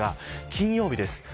金曜日です。